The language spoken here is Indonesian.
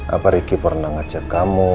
apa ricky pernah ngajak kamu